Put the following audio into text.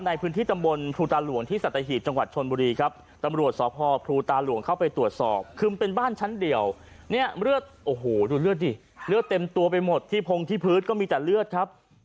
ในพื้นที่ตำบลพตหลวงที่สรรที่จังหวัดชลบุหรีครับ